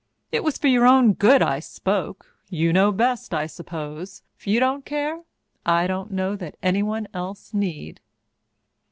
"It was for your own good I spoke. You know best, I suppose. If you don't care, I don't know that anyone else need."